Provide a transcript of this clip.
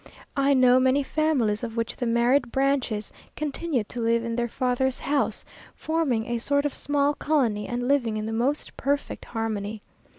I know many families of which the married branches continue to live in their father's house, forming a sort of small colony, and living in the most perfect harmony.